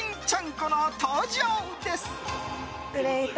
この登場です！